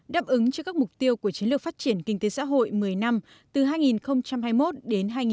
đáp ứng cho các mục tiêu của chiến lược phát triển kinh tế xã hội một mươi năm từ hai nghìn hai mươi một đến hai nghìn ba mươi